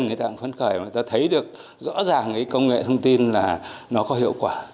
người ta thấy được rõ ràng công nghệ thông tin là nó có hiệu quả